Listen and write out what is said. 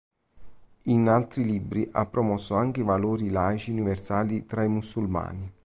In altri libri ha promosso anche i valori laici universali tra i musulmani.